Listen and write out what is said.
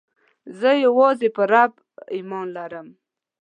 زه یوازي په رب ﷻ ایمان لرم.